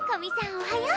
おはよう！